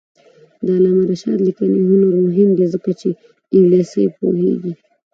د علامه رشاد لیکنی هنر مهم دی ځکه چې انګلیسي پوهېږي.